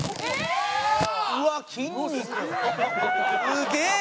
すげえ！